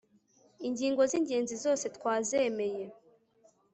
ingingo zingenzi zose twazemeye